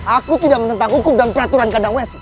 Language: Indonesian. aku tidak menentang hukum dan peraturan jadinya